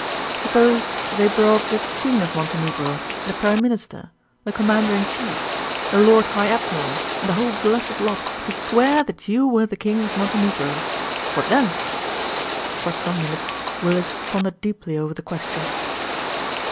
"Suppose they brought the Queen of Montenegro, the Prime Minister, the Commander in Chief, the Lord High Admiral and the whole blessed lot to swear that you were the King of Montenegro. What then?" For some minutes Willis pondered deeply over the question.